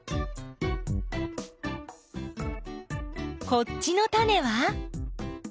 こっちのタネは？